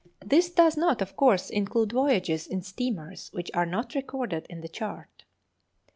This does not of course include voyages in steamers which are not recorded in the chart.